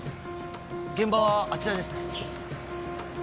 現場はあちらですね。